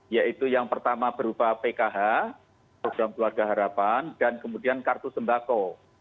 yaitu yang pertama berupa pkh program keluarga harapan dan kemudian kartu sembako